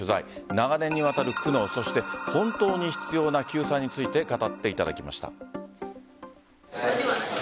長年にわたる苦悩そして本当に必要な救済について語っていただきました。